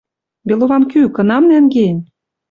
Беловам кӱ, кынам нӓнгеен?